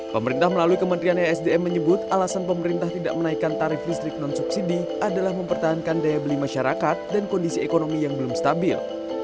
pemerintah melalui kementerian esdm menyebut alasan pemerintah tidak menaikkan tarif listrik non subsidi adalah mempertahankan daya beli masyarakat dan kondisi ekonomi yang belum stabil